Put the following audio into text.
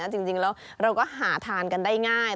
จริงแล้วเราก็หาทานกันได้ง่าย